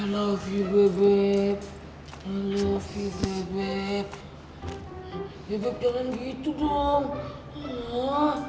sampai jumpa di video selanjutnya